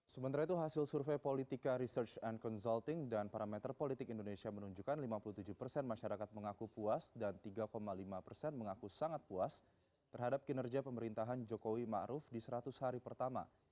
sementara itu hasil survei politika research and consulting dan parameter politik indonesia menunjukkan lima puluh tujuh persen masyarakat mengaku puas dan tiga lima persen mengaku sangat puas terhadap kinerja pemerintahan jokowi ⁇ maruf ⁇ di seratus hari pertama